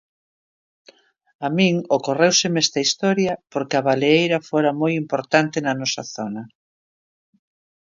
A min ocorréuseme esta historia, porque a baleeira fora moi importante na nosa zona.